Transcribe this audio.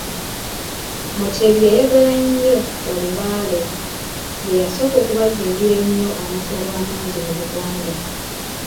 Mutebi yayagala nnyo balubaale, ye yasooka okubazimbira ennyo amasabo amangi mu Buganda.